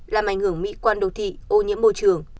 làm ảnh hưởng mỹ quan đô thị ô nhiễm môi trường